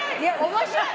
面白い。